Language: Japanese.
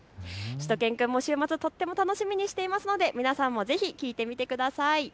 しゅと犬くんも週末とても楽しみにしていますので皆さんもぜひ聞いてみてください。